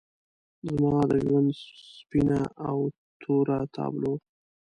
زما د ژوند سپینه او توره تابلو